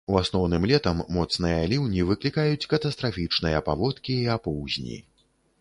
У асноўным летам моцныя ліўні выклікаюць катастрафічныя паводкі і апоўзні.